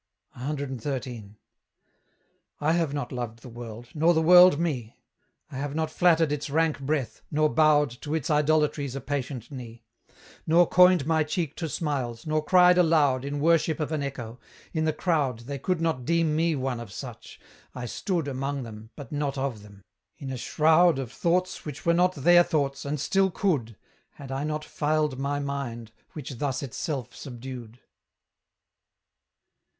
CXIII. I have not loved the world, nor the world me; I have not flattered its rank breath, nor bowed To its idolatries a patient knee, Nor coined my cheek to smiles, nor cried aloud In worship of an echo; in the crowd They could not deem me one of such; I stood Among them, but not of them; in a shroud Of thoughts which were not their thoughts, and still could, Had I not filed my mind, which thus itself subdued.